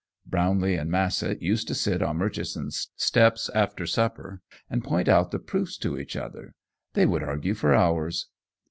Brownlee and Massett used to sit on Murchison's steps after supper and point out the proofs to each other. They would argue for hours.